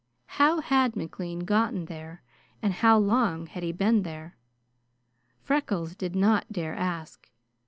How had McLean gotten there and how long had he been there? Freckles did not dare ask.